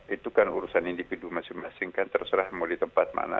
itu kan urusan individu masing masing kan terserah mau di tempat mana